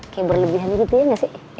kayak berlebihan gitu ya nggak sih